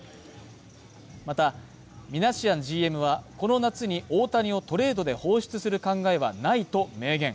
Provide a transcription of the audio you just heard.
またミナシアンＧＭはこの夏に大谷をトレードで放出する考えはないと明言